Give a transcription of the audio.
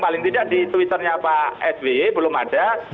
paling tidak di twitternya pak sby belum ada